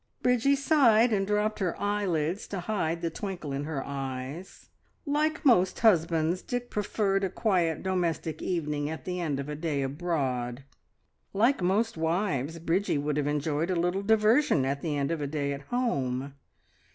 Bridgie sighed, and dropped her eyelids to hide the twinkle in her eyes. Like most husbands Dick preferred a quiet domestic evening at the end of a day abroad: like most wives Bridgie would have enjoyed a little diversion at the end of a day at home.